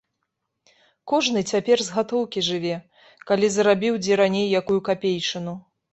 Кожны цяпер з гатоўкі жыве, калі зарабіў дзе раней якую капейчыну.